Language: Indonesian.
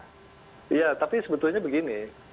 iya tapi sebetulnya begini